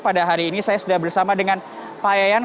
pada hari ini saya sudah bersama dengan pak yayan